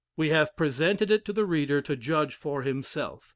We have presented it to the reader to judge of for himself.